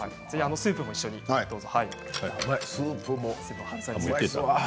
スープも一緒にどうぞ。